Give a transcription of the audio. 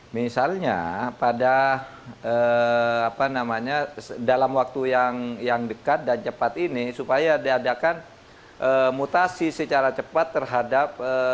misalnya pada apa namanya dalam waktu yang dekat dan cepat ini supaya diadakan mutasi secara cepat terhadap